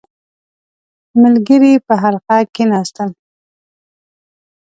• ملګري په حلقه کښېناستل.